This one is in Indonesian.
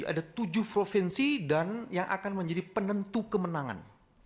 ada tujuh provinsi dan yang akan menjadi penentu kemenangan